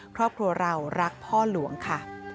ครอบครัวเรารักพ่อหลวงค่ะ